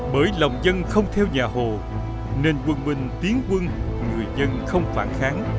bởi lòng dân không theo nhà hồ nên quân binh tiến quân người dân không phản kháng